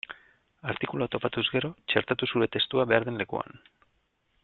Artikulua topatuz gero, txertatu zure testua behar den lekuan.